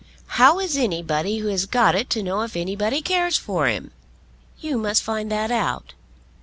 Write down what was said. "How is anybody who has got it to know if anybody cares for him?" "You must find that out.